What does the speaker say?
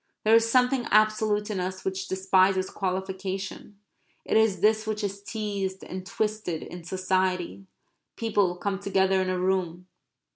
There is something absolute in us which despises qualification. It is this which is teased and twisted in society. People come together in a room.